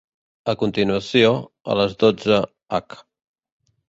A continuació, a les dotze h.